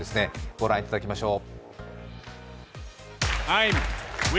ご覧いただきましょう。